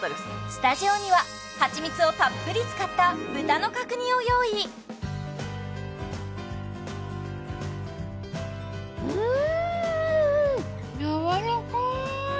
スタジオにははちみつをたっぷり使った豚の角煮を用意うん！